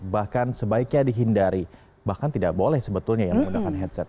bahkan sebaiknya dihindari bahkan tidak boleh sebetulnya yang menggunakan headset